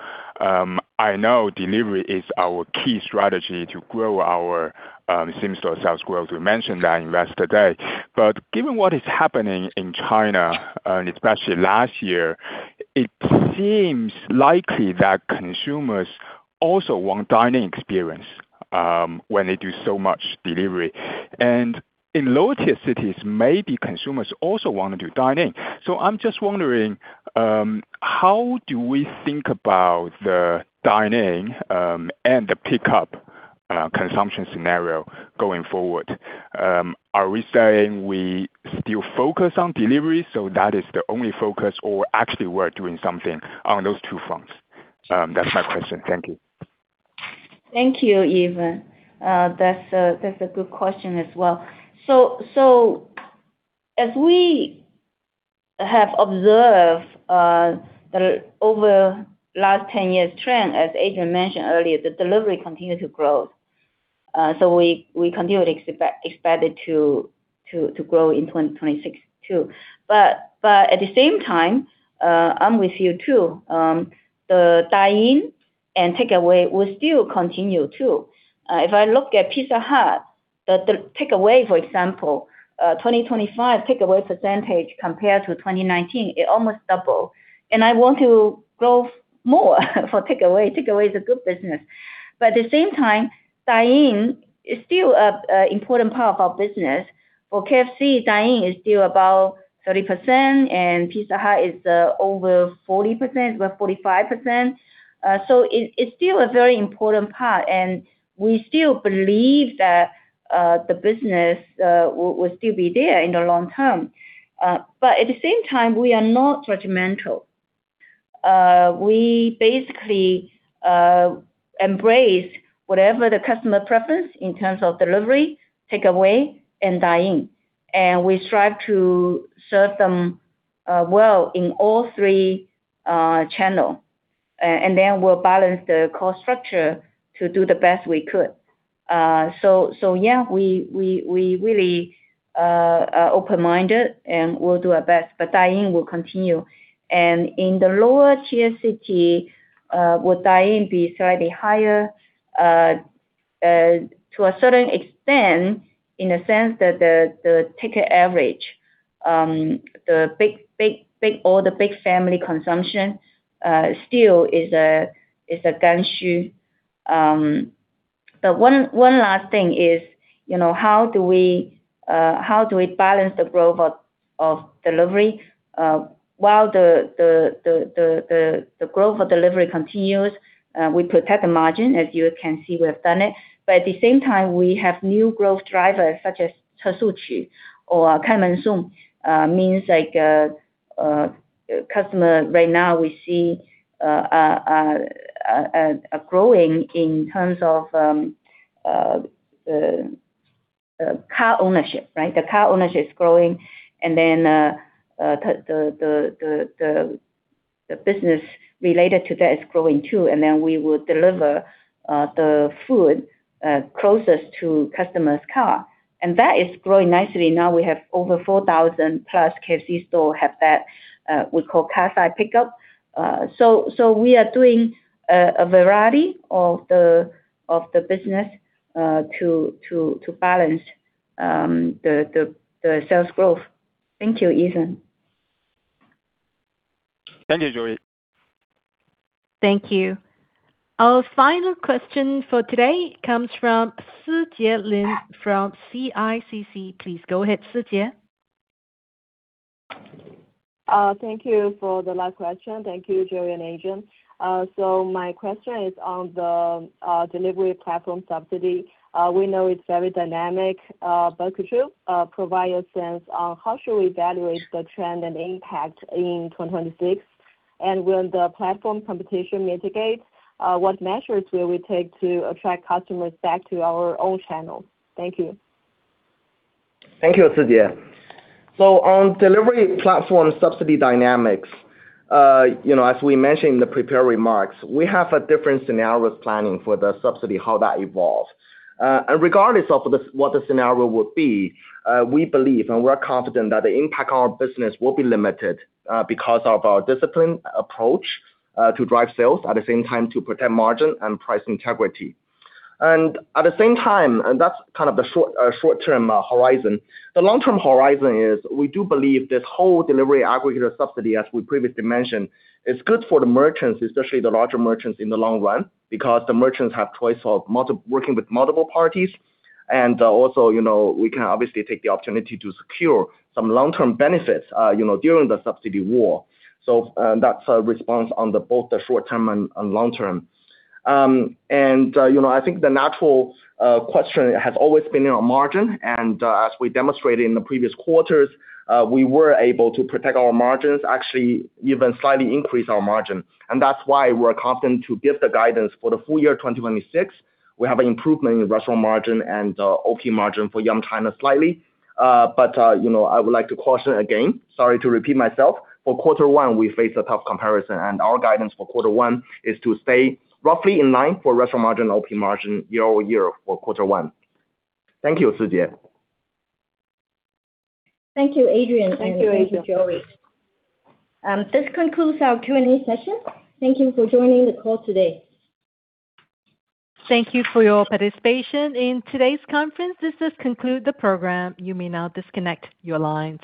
I know delivery is our key strategy to grow our same-store sales growth. You mentioned that in yesterday. But given what is happening in China, and especially last year, it seems likely that consumers also want dine-in experience when they do so much delivery. And in lower-tier cities, maybe consumers also want to do dine-in. So I'm just wondering how do we think about the dine-in and the pickup consumption scenario going forward? Are we saying we still focus on delivery, so that is the only focus, or actually we're doing something on those two fronts? That's my question. Thank you. Thank you, Ethan. That's a good question as well. So as we have observed, the overall last 10 years trend, as Adrian mentioned earlier, the delivery continued to grow. So we continue to expect it to grow in 2026 too. But at the same time, I'm with you too, the dine-in and takeaway will still continue too. If I look at Pizza Hut, the takeaway, for example, 2025 takeaway percentage compared to 2019, it almost double. And I want to grow more for takeaway. Takeaway is a good business. But at the same time, dine-in is still an important part of our business. For KFC, dine-in is still about 30%, and Pizza Hut is over 40%, about 45%. So it's still a very important part, and we still believe that the business will still be there in the long term. But at the same time, we are not judgmental. We basically embrace whatever the customer preference in terms of delivery, takeaway, and dine-in, and we strive to serve them well in all three channel. And then we'll balance the cost structure to do the best we could. So yeah, we really are open-minded, and we'll do our best, but dine-in will continue. And in the lower tier city, will dine-in be slightly higher? To a certain extent, in the sense that the ticket average, the big... All the big family consumption still is a hotspot. But one last thing is, you know, how do we balance the growth of delivery? While the growth of delivery continues, we protect the margin. As you can see, we have done it, but at the same time, we have new growth drivers, such as "...", means like, customer right now, we see growing in terms of car ownership, right? The car ownership is growing, and then the business related to that is growing, too. And then we will deliver the food closest to customer's car. And that is growing nicely. Now we have over 4,000+ KFC stores have that we call car side pickup. So, we are doing a variety of the business to balance the sales growth. Thank you, Ethan. Thank you, Joey. Thank you. Our final question for today comes from Sijie Lin from CICC. Please go ahead, Sijie. Thank you for the last question. Thank you, Joey and Adrian. So my question is on the delivery platform subsidy. We know it's very dynamic, but could you provide a sense on how should we evaluate the trend and impact in 2026? And will the platform competition mitigate? What measures will we take to attract customers back to our own channel? Thank you. Thank you, Sujie. So on delivery platform subsidy dynamics, you know, as we mentioned in the prepared remarks, we have a different scenarios planning for the subsidy, how that evolves. And regardless of the, what the scenario would be, we believe, and we're confident that the impact on our business will be limited, because of our disciplined approach, to drive sales, at the same time, to protect margin and price integrity. And at the same time, and that's kind of the short, short-term, horizon. The long-term horizon is, we do believe this whole delivery aggregator subsidy, as we previously mentioned, is good for the merchants, especially the larger merchants, in the long run, because the merchants have choice of multiple... working with multiple parties. Also, you know, we can obviously take the opportunity to secure some long-term benefits, you know, during the subsidy war. So, that's a response on the, both the short term and, and long term. And, you know, I think the natural, question has always been around margin, and, as we demonstrated in the previous quarters, we were able to protect our margins, actually even slightly increase our margin. And that's why we're confident to give the guidance for the full year 2026. We have an improvement in restaurant margin and, OP margin for Yum China slightly. But, you know, I would like to caution again, sorry to repeat myself, for quarter one, we face a tough comparison, and our guidance for quarter one is to stay roughly in line for restaurant margin and OP margin year-over-year for quarter one. Thank you, Sujie. Thank you, Adrian. Thank you, Sujie. This concludes our Q&A session. Thank you for joining the call today. Thank you for your participation in today's conference. This does conclude the program. You may now disconnect your lines.